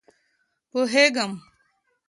پوهېږم.